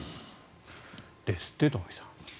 ですって、東輝さん。